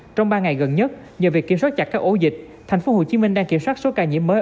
trong ba ngày gần nhất nhờ việc kiểm soát chặt các ổ dịch thành phố hồ chí minh đang kiểm soát số ca nhiễm mới